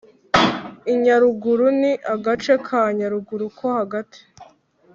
Inyaruguru Ni agace ka Nyaruguru yo hagati